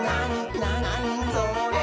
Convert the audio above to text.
なにそれ？」